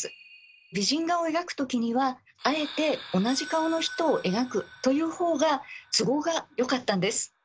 美人画を描くときにはあえて同じ顔の人を描くというほうが都合がよかったんです。